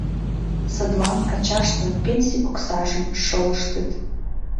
Садлан ачаштын пенсий оксажым шолыштыт.